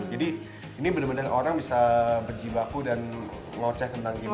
jadi ini bener bener orang bisa berjibaku dan ngoceh tentang game nya